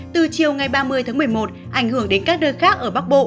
từ chiều ngày ba mươi tháng một mươi một ảnh hưởng đến các nơi khác ở bắc bộ